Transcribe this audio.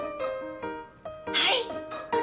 はい！